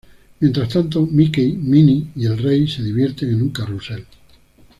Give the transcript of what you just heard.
Mientras tanto, Mickey, Minnie y el rey se divierten en un carrusel.